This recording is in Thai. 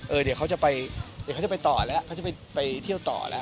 เออเดี๋ยวเขาจะไปต่อแล้วเขาจะไปเที่ยวต่อแล้ว